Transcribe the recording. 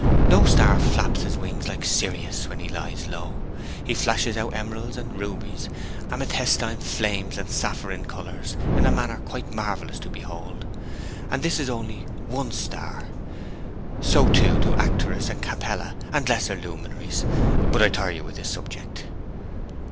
No star flaps his wings like Sirius when he lies low! He flashes out emeralds and rubies, amethystine flames and sapphirine colours, in a manner quite marvellous to behold, and this is only one star! So, too, do Arcturus, and Capella, and lesser luminaries. ... But I tire you with this subject?'